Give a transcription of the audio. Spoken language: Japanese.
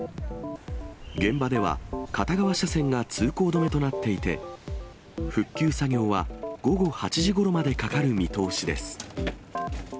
現場では、片側車線が通行止めとなっていて、復旧作業は午後８時ごろまでかかる見通しです。